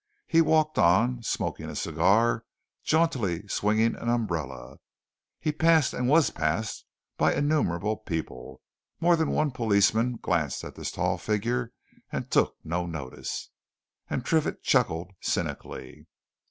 He walked on, smoking a cigar, jauntily swinging an umbrella, he passed and was passed by innumerable people; more than one policeman glanced at his tall figure and took no notice. And Triffitt chuckled cynically.